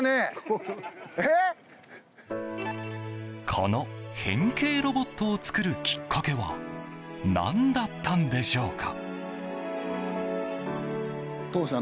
この変形ロボットを造るきっかけは何だったんでしょうか。